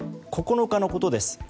９日のことです。